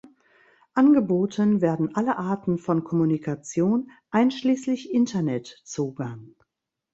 Angeboten werden alle Arten von Kommunikation einschließlich Internet-Zugang.